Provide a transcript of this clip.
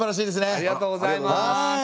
ありがとうございます！